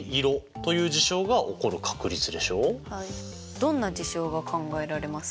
どんな事象が考えられますか？